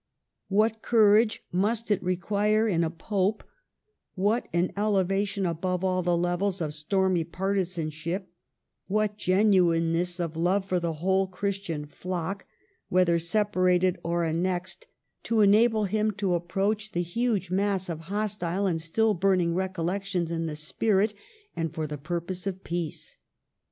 ..." What courage must it require in a Pope, what an elevation above all the levels of stormy parti sanship, what genuineness of love for the whole Christian flock, whether separated or annexed, to 414 THE STORY OF GLADSTONE'S LIFE enable him to approach the huge mass of hostile and still burning recollections in the spirit and for the purpose of peace